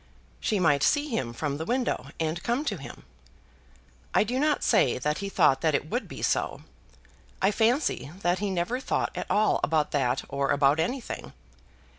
She might see him from the window, and come to him. I do not say that he thought that it would be so. I fancy that he never thought at all about that or about anything.